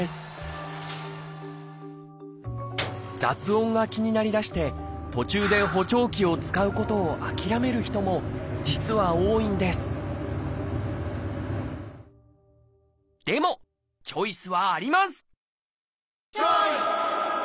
雑音が気になりだして途中で補聴器を使うことを諦める人も実は多いんですでもチョイスはあります！